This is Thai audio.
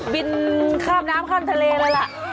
บินข้ามน้ำข้ามทะเลเลยล่ะ